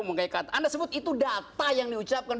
mengenai kata anda sebut itu data yang diucapkan